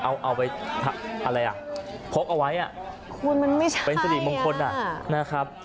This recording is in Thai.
เอาไปอะไรอ่ะพกเอาไว้อ่ะคุณมันไม่ใช่เป็นสิริมงคลอ่ะนะครับ